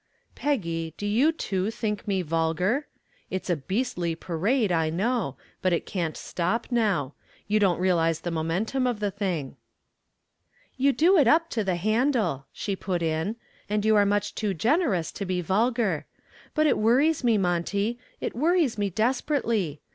"Peggy, do you too think me vulgar? It's a beastly parade, I know, but it can't stop now. You don't realize the momentum of the thing." "You do it up to the handle," she put in. "And you are much too generous to be vulgar. But it worries me, Monty, it worries me desperately.